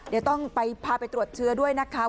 เดี๋ยวต้องไปพาไปตรวจเชื้อด้วยนะคะ